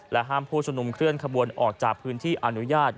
ห้ามผู้ชุมนุมเคลื่อนขบวนออกจากพื้นที่อนุญาต